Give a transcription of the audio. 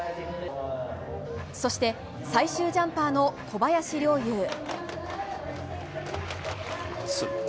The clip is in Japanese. そして最終ジャンパーの小林陵侑。